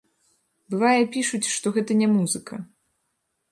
Бывае, пішуць, што гэта не музыка.